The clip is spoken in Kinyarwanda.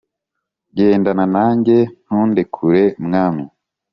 Gendana nanjye ntundekure mwami